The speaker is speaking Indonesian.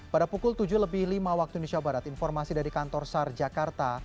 pada pukul tujuh lebih lima waktu indonesia barat informasi dari kantor sar jakarta